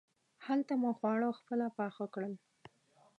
هلته مو خواړه خپله پاخه کړل.